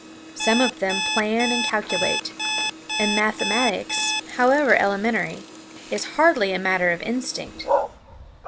Some of them plan and calculate; and mathematics, however elementary, is hardly a matter of instinct.